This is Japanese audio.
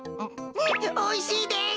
おいしいです。